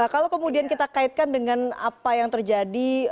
kalau kemudian kita kaitkan dengan apa yang terjadi